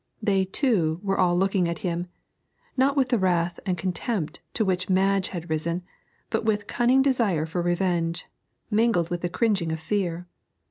They, too, were all looking at him, not with the wrath and contempt to which Madge had risen, but with cunning desire for revenge, mingled with the cringing of fear.